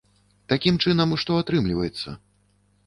Такім чынам што атрымліваецца?